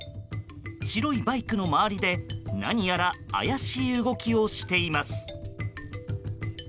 白いバイクの周りで何やら怪しい動きをしています。